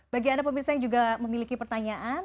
bagi anda pemirsa yang juga memiliki pertanyaan